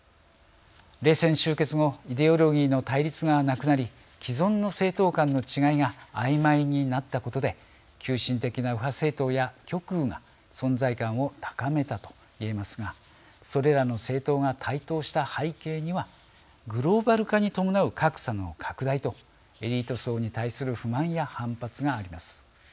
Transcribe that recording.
冷戦終結後イデオロギーの対立がなくなり既存の政党間の違いがあいまいになったことで急進的な右派政党や極右が存在感を高めたと言えますがそれらの政党が台頭した背景にはグローバル化に伴う格差の拡大とエリート層に対する不満や反発があります。